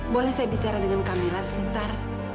boleh saya bicara dengan kak mila sebentar